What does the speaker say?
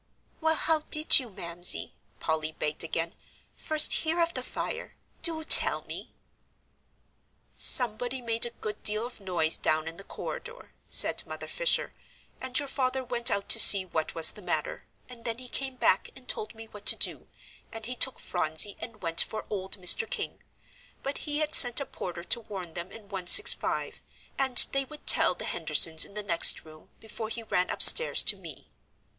"Well, how did you, Mamsie," Polly begged again, "first hear of the fire? Do tell me." "Somebody made a good deal of noise down in the corridor," said Mother Fisher, "and your father went out to see what was the matter, and then he came back and told me what to do, and he took Phronsie and went for old Mr. King. But he had sent a porter to warn them in 165, and they would tell the Hendersons in the next room, before he ran upstairs to me."